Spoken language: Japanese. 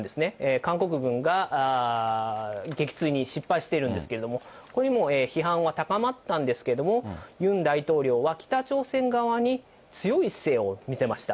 韓国軍が撃墜に失敗しているんですけれども、これにも批判は高まったんですけれども、ユン大統領は北朝鮮側に強い姿勢を見せました。